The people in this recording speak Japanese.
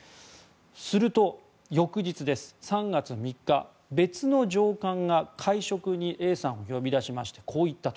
すると、翌日３月３日別の上官が会食にＡさんを呼び出しましてこう言ったと。